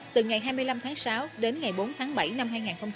từ ngày hai mươi năm tháng sáu đến ngày bốn tháng bảy năm hai nghìn một mươi năm